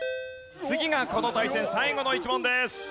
次がこの対戦最後の１問です。